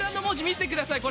「見してください」